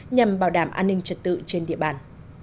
nhằm bảo đảm an ninh trật tự trên địa bàn